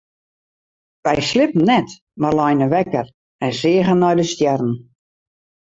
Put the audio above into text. Wy sliepten net mar leine wekker en seagen nei de stjerren.